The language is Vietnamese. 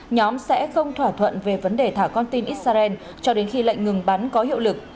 nhóm sẽ không thỏa thuận về vấn đề thả con tin israel cho đến khi lệnh ngừng bắn có hiệu lực